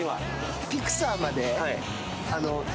ピクサーまで。